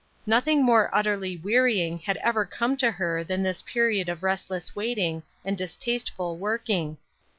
Nothing more utterly weary ing had ever come to her than this period of rest less waiting and distasteful working.